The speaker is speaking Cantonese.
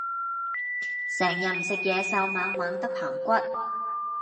成日唔食嘢瘦蜢蜢得棚骨